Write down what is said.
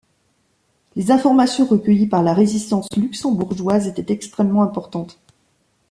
Les informations recueillies par la résistance luxembourgeoise étaient extrêmement importantes.